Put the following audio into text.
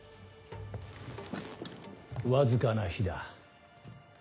わずかな火だ。